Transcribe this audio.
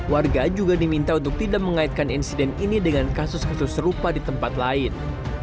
warga juga diminta untuk tidak mengaitkan insiden ini dengan kasus kasus serupa di tempat lain